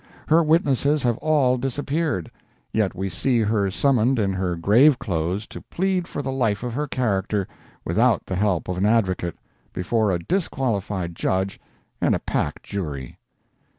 Her witnesses have all disappeared, yet we see her summoned in her grave clothes to plead for the life of her character, without the help of an advocate, before a disqualified judge and a packed jury.